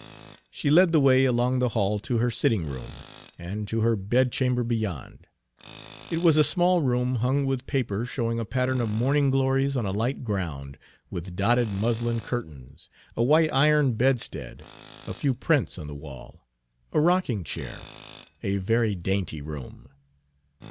She led the way along the hall to her sitting room, and to her bedchamber beyond. It was a small room hung with paper showing a pattern of morning glories on a light ground, with dotted muslin curtains, a white iron bedstead, a few prints on the wall, a rocking chair a very dainty room.